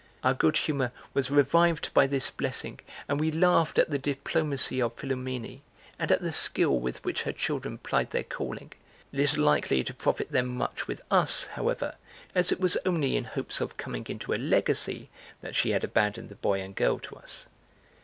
(Our good humor was revived by this blessing and we laughed at the diplomacy of Philumene and at the skill with which her children plied their calling, little likely to profit them much with us, however, as it was only in hopes of coming into a legacy that she had abandoned the boy and girl to us.